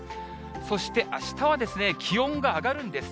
そしてあしたはですね、気温が上がるんです。